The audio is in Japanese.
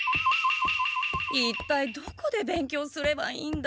一体どこで勉強すればいいんだ。